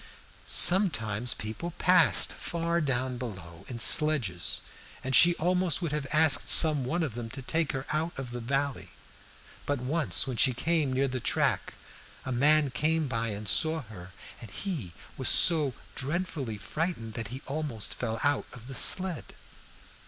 "Sometimes people passed, far down below, in sledges, and she almost would have asked some one of them to take her out of the valley. But once, when she came near the track, a man came by and saw her, and he was so dreadfully frightened that he almost fell out of the sled.